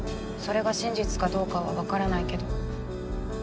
それが真実かどうかは分からないけど。